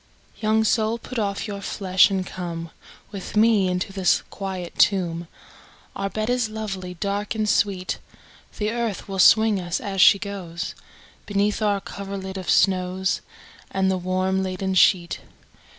II. Young soul put off your flesh, and come With me into the quiet tomb, Our bed is lovely, dark, and sweet; The earth will swing us, as she goes, Beneath our coverlid of snows, And the warm leaden sheet.